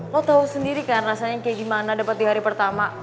lo tahu sendiri kan rasanya kayak gimana dapat di hari pertama